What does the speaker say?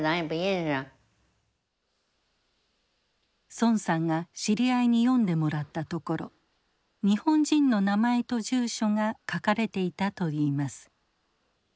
孫さんが知り合いに読んでもらったところ日本人の名前と住所が書かれていたといいます。